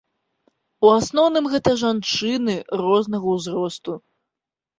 У асноўным, гэта жанчыны рознага ўзросту.